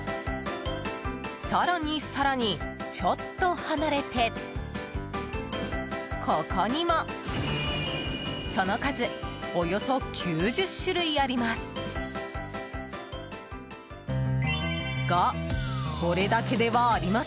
更に更に、ちょっと離れてここにも。その数およそ９０種類あります。